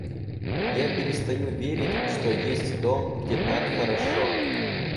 Я перестаю верить, что есть дом, где так хорошо.